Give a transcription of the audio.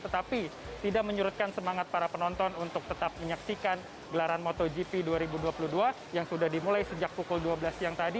tetapi tidak menyurutkan semangat para penonton untuk tetap menyaksikan gelaran motogp dua ribu dua puluh dua yang sudah dimulai sejak pukul dua belas siang tadi